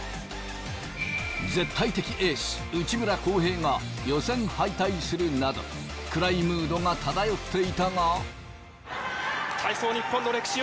絶対的エース内村航平が予選敗退するなど暗いムードが漂っていたが。